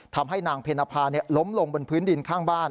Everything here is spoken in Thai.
ทำให้นางเพนภาล้มลงบนพื้นดินข้างบ้าน